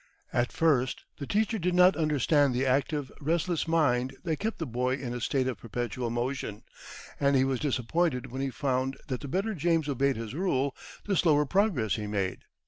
At first the teacher did not understand the active, restless mind that kept the boy in a state of perpetual motion, and he was disappointed when he found that the better James obeyed his rule, the slower progress he made.